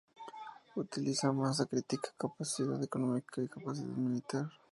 Utiliza masa crítica, capacidad económica y capacidad militar.